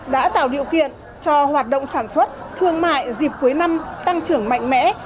đã tạo điều kiện cho hoạt động sản xuất thương mại dịp cuối năm tăng trưởng mạnh mẽ